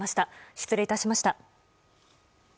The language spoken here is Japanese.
失礼いたしました。